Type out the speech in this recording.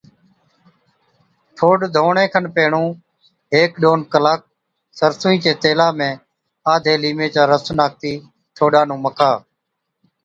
ٺوڏ ڌووَڻي کن پيهڻُون هيڪي ڏون ڪِلاڪ سرسُوئي چي تيلا ۾ آڌي ليمي چا رس ناکتِي ٺوڏا نُون مکا،